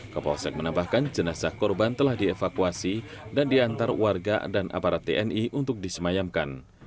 kapolsek menambahkan jenazah korban telah dievakuasi dan diantar warga dan aparat tni untuk disemayamkan